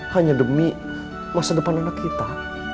hanya demi masa depan anak kita